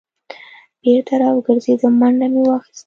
بېرته را وګرځېدم منډه مې واخیسته.